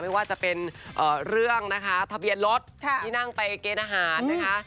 ไม่ว่าจะเป็นเรื่องนะคะทะเบียนรถที่นั่งไปเกณฑ์อาหารนะคะ